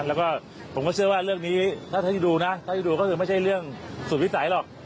แล้วก็ผมก็เชื่อว่าเรื่องนี้ถ้าที่ดูนะถ้าจะดูก็คือไม่ใช่เรื่องสุดวิสัยหรอก